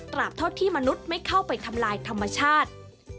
โทษที่มนุษย์ไม่เข้าไปทำลายธรรมชาติ